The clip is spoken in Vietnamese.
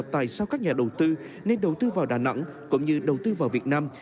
tại sao các nhà đầu tư nên đầu tư vào đà nẵng cũng như đầu tư vào việt nam